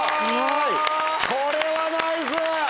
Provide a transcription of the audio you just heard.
これはナイス！